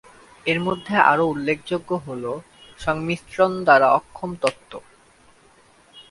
এর মধ্যে আরও উল্লেখযোগ্য হ'ল "সংমিশ্রণ দ্বারা অক্ষম তত্ত্ব"।